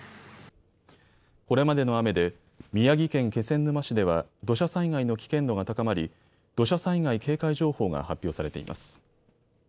これまでの雨で宮城県気仙沼市では土砂災害の危険度が高まり、土砂災害警戒情報が発表されています。